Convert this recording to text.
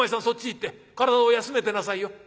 そっちへ行って体を休めてなさいよ。